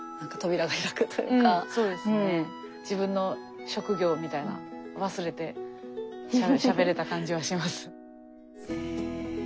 自分の職業みたいなの忘れてしゃべれた感じはします。